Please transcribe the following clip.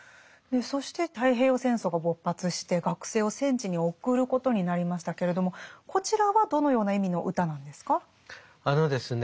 そして太平洋戦争が勃発して学生を戦地に送ることになりましたけれどもこちらはどのような意味の歌なんですか？